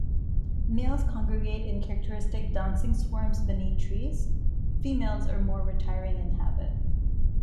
Males congregate in characteristic dancing swarms beneath trees; females are more retiring in habit.